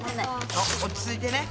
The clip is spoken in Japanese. そう落ち着いてね。